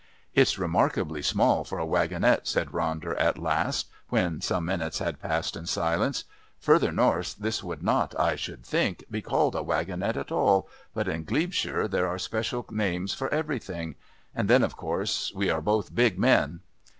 "It's remarkably small for a wagonette," said Ronder at last, when some minutes had passed in silence. "Further north this would not, I should think, be called a wagonette at all, but in Glebeshire there are special names for everything. And then, of course, we are both big men."